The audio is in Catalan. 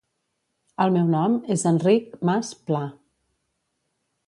El meu nom és Enric Mas Pla.